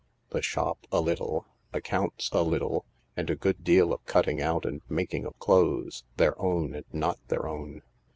The shop a little; accounts a little j and a good deal of cutting out and making of clothes — their own and not their own.